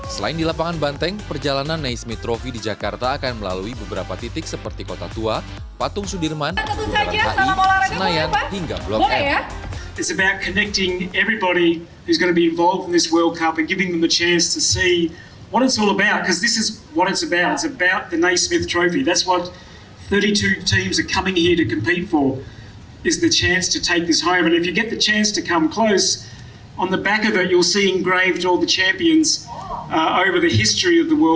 selain di lapangan banteng perjalanan naismith trophy di jakarta akan melalui beberapa titik seperti kota tua patung sudirman jumat rai senayan hingga blok r